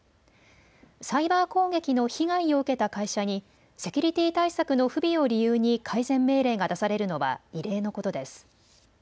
サイバー攻撃の被害を受けた会社にセキュリティー対策の不備を理由に改善命令が出されるのは異例のことです。